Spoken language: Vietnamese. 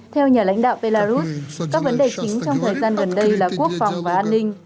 theo nhà lãnh đạo belarus các vấn đề chính trong thời gian gần đây là quốc phòng và an ninh